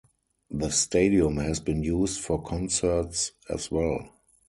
The stadium has been used for concerts as well.